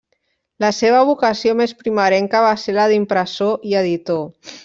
La seva vocació més primerenca va ser la d'impressor i editor.